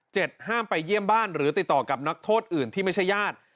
ห้ามไปเยี่ยมบ้านหรือติดต่อกับนักโทษอื่นที่ไม่ใช่ญาติ